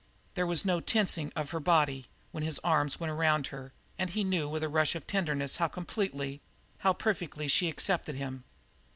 There was no tensing of her body when his arm went around her and he knew with a rush of tenderness how completely, how perfectly she accepted him.